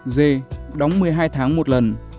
d đóng một mươi hai tháng một lần